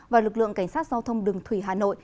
và lực lượng cảnh sát giao thông đường thủy hà nội